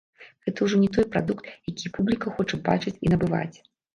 Гэта ўжо не той прадукт, які публіка хоча бачыць і набываць.